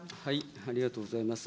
ありがとうございます。